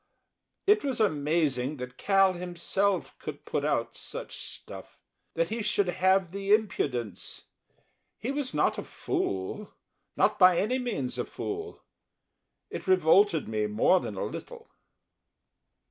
It was amazing that Cal himself could put out such stuff; that he should have the impudence. He was not a fool, not by any means a fool. It revolted me more than a little.